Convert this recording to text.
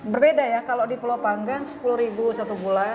berbeda ya kalau di pulau panggang sepuluh lima belas tahun ya